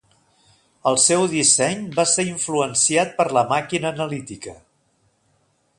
El seu disseny va ser influenciat per la Màquina Analítica.